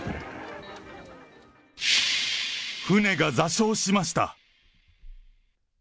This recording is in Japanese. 船が座礁しました。